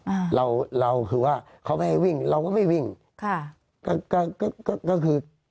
อ่าเราเราคือว่าเขาไม่ให้วิ่งเราก็ไม่วิ่งค่ะก็ก็ก็คือ